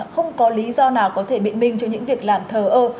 không có lý do nào có thể biện minh cho những việc làm thờ ơ